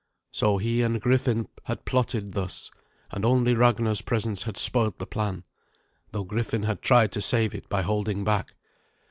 So he and Griffin had plotted thus, and only Ragnar's presence had spoilt the plan, though Griffin had tried to save it by holding back.